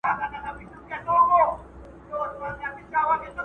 په لویه جرګه کي د مېلمنو لپاره ځای چېرته دی؟